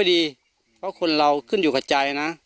ดีเพราะคนเราขึ้นอยู่กับใจนะ